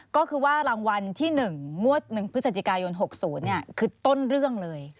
ก็คือว่ารางวัลที่๑งวด๑พฤศจิกายน๖๐คือต้นเรื่องเลย